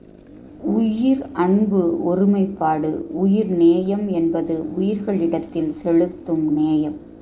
உயிர் அன்பு ஒருமைப்பாடு உயிர் நேயம் என்பது உயிர்களிடத்தில் செலுத்தும் நேயம்.